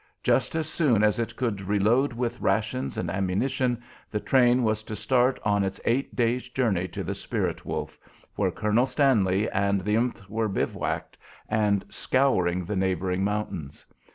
Just as soon as it could reload with rations and ammunition the train was to start on its eight days' journey to the Spirit Wolf, where Colonel Stanley and the th were bivouacked and scouring the neighboring mountains.